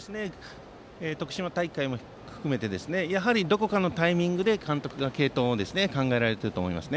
群馬大会も含めてやはりどこかのタイミングで監督が継投を考えられていると思います。